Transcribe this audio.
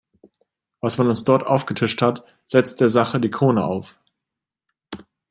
Was man uns dort aufgetischt hat, setzt der Sache die Krone auf!